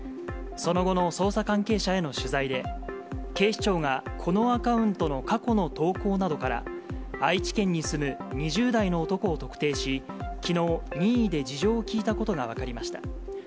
その後の捜査関係者への取材で、警視庁がこのアカウントの過去の投稿などから、愛知県に住む２０代の男を特定し、きのう、任意で事情を聴いたことが分かりました。